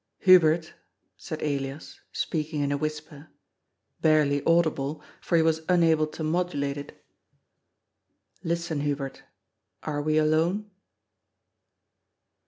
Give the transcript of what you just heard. "Hubert," said Elias, speaking in a whisper (barely audible, for he was unable to modulate it). " Listen, Hubert, are we alone